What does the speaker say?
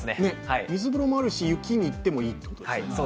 水風呂もあるし雪にいってもいいってことなんですね。